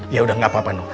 ya udah nggak apa apa noh